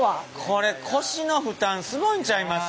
これ腰の負担すごいんちゃいます？